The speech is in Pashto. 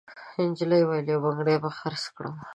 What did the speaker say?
نجلۍ وویل: «یو بنګړی به خرڅ کړم.»